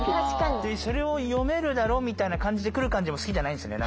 それを読めるだろみたいな感じで来る感じも好きじゃないんですよね